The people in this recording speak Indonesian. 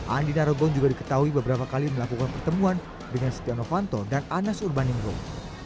andi narogong juga diketahui beberapa kali melakukan pertemuan dengan setia novanto dan anas urbaningrum